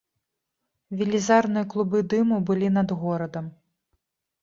Велізарныя клубы дыму былі над горадам.